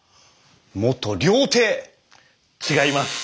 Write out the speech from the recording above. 元料亭！違います。